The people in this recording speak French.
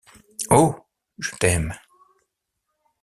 Oh ! je t’aime.